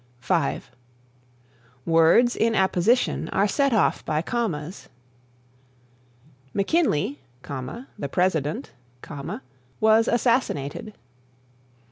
(5) Words in apposition are set off by commas: "McKinley, the President, was assassinated."